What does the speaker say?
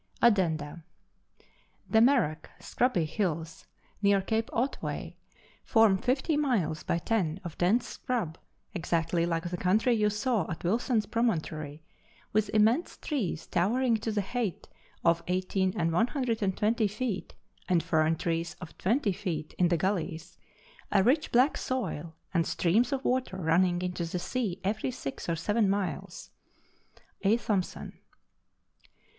Addenda. The Marrack (scrubby) Hills near Cape Otway form fifty miles by ten of dense scrub, exactly like the country you saw at Wilson's Promontory, with immense trees towering to the height of 80 and 120 feet, and fern trees of 20 feet in the gullies, a rich black soil, and streams of water running into the sea every six or seven miles. A. THOMSON.